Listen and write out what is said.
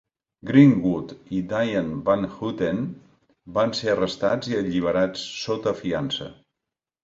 Greenwood i Dyanne Van Houten van ser arrestats y alliberats sota fiança.